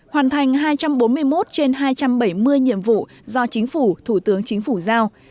hoàn thành hai trăm bốn mươi một trên hai trăm bảy mươi nhiệm vụ do chính phủ thủ tướng chính phủ giao